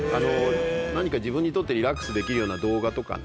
何か自分にとってリラックスできるような動画とかね